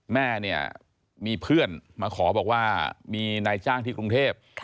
แม่เนี่ยมีเพื่อนมาขอบอกว่ามีนายจ้างที่กรุงเทพ